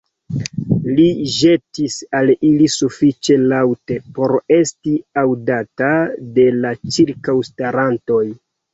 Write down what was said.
li ĵetis al ili sufiĉe laŭte, por esti aŭdata de la ĉirkaŭstarantoj.